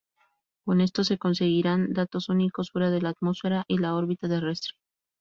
Con esto se conseguirán datos únicos fuera de la atmósfera y la órbita terrestre.